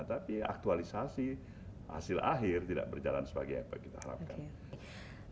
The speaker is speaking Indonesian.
tapi aktualisasi hasil akhir tidak berjalan sebagai apa yang kita harapkan